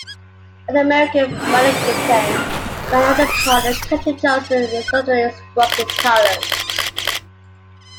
When the American brigantine ran out of powder Captain Johnson reluctantly struck his colors.